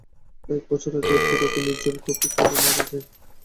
প্রায় এক বছর আগে পুরবী নির্জন কূপে পড়ে মারা যায়।